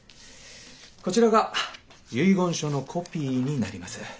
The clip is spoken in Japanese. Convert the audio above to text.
こちらが遺言書のコピーになります。